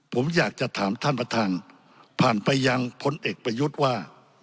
ผมอยากจะถามท่านประธานผ่านไปยังพลเอกประยุทธ์ว่า